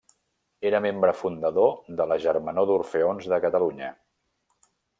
Era membre fundador de la Germanor d'Orfeons de Catalunya.